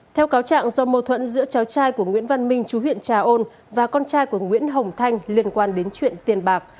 theo cáo trạng do mâu thuẫn giữa cháu trai của nguyễn văn minh chú huyện trà ôn và con trai của nguyễn hồng thanh liên quan đến chuyện tiền bạc